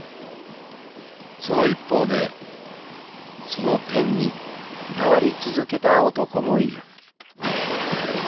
［その一方でそのペンにこだわり続けた男もいる］